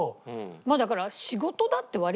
まあだから。